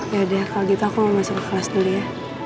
ya deh kalau gitu aku mau masuk kelas dulu ya